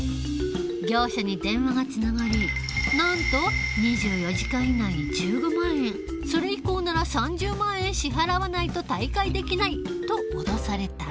業者に電話がつながりなんと「２４時間以内に１５万円それ以降なら３０万円支払わないと退会できない」と脅された。